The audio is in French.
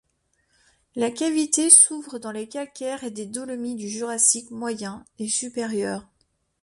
La cavité s'ouvre dans les calcaires et des dolomies du Jurassique moyen et supérieur.